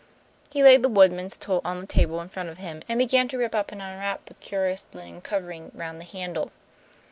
He laid the woodman's tool on the table in front of him, and began to rip up and unwrap the curious linen covering round the handle.